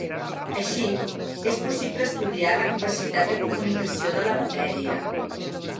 Així, és possible estudiar la capacitat de comunicació de la matèria.